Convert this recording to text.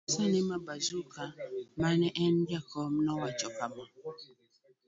Profesa Nema Bazuka ma ne en jakom nowacho kama